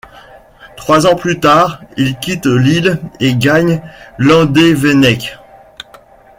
Trois ans plus tard, il quitte l'île et gagne Landévennec.